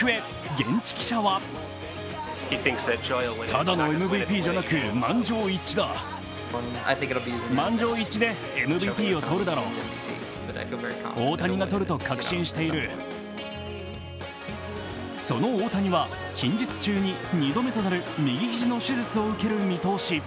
現地記者はその大谷は近日中に２度目となる右肘の手術を受ける見通し。